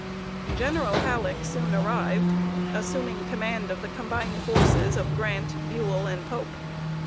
General Halleck soon arrived, assuming command of the combined forces of Grant, Buell, and Pope.